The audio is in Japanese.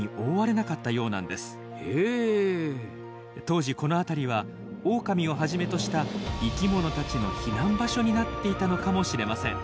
当時この辺りはオオカミをはじめとした生きものたちの避難場所になっていたのかもしれません。